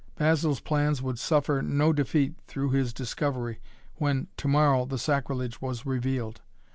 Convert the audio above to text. Basil's plans would suffer no defeat through his discovery when to morrow the sacrilege was revealed.